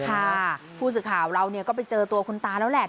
ค่ะผู้สื่อข่าวเราก็ไปเจอตัวคุณตาแล้วแหละ